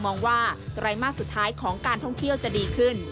มองว่าไตรมาสสุดท้ายของการท่องเที่ยวจะดีขึ้น